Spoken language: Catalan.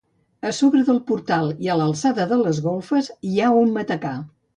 A sobre del portal, i a l'alçada de les golfes, hi ha un matacà.